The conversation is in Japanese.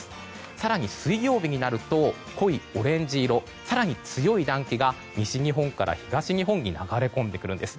更に、水曜日になると濃いオレンジ色更に強い暖気が西日本から東日本に流れ込んでくるんです。